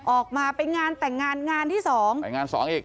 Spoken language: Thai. ออกมาไปงานแต่งงานงานที่สองไปงานสองอีก